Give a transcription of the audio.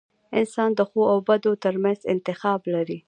• انسان د ښو او بدو ترمنځ انتخاب لري.